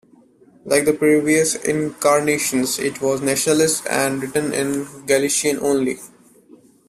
Like the previous incarnations, it was nationalist and written in Galician only.